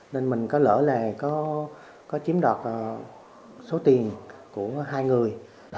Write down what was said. nên mình có lỡ là có chiếm đoạt số tiền của hai người